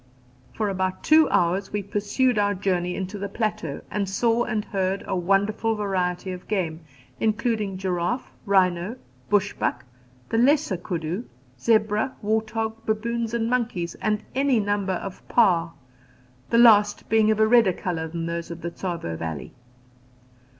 For about two hours we pursued our journey into the plateau, and saw and heard a wonderful variety of game, including giraffe, rhino, bush buck, the lesser kudu, zebra, wart hog, baboons and monkeys, and any number of paa, the last being of a redder colour than those of the Tsavo valley.